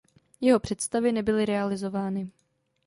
Jeho představy nebyly realizovány.